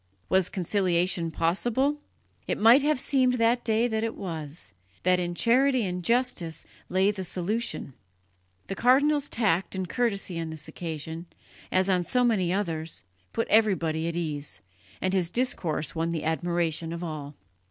Was conciliation possible? It might have seemed that day that it was that in charity and justice lay the solution. The cardinal's tact and courtesy on this occasion, as on so many others, put everybody at ease, and his discourse won the admiration of all.